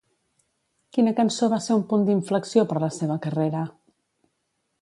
Quina cançó va ser un punt d'inflexió per la seva carrera?